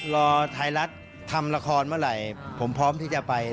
รอไทยรัฐทำละครเมื่อไหร่ผมพร้อมที่จะไป